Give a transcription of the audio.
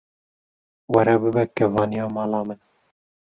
Were bibe kevaniya mala min.